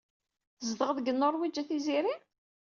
Tzedɣeḍ deg Nuṛwij a Tiziri?